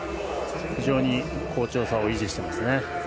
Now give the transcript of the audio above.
非常に好調さを維持していますね。